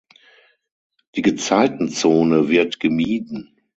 Die Gezeitenzone wird gemieden.